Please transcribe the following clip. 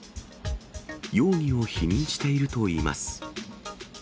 容疑を否認しているといいます。